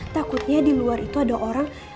takutnya di luar itu ada orang